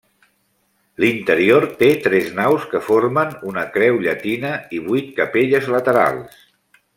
L'interior té tres naus que formen una creu llatina, i vuit capelles laterals.